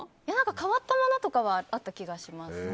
変わったものとかはあった気がします。